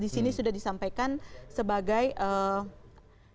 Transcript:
di sini sudah disampaikan sebagai hingga kini ada lima belas perusahaan yang diproses